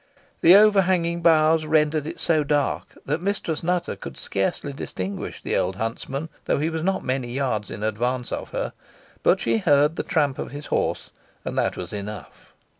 The overhanging boughs rendered it so dark that Mistress Nutter could scarcely distinguish the old huntsman, though he was not many yards in advance of her, but she heard the tramp of his horse, and that was enough.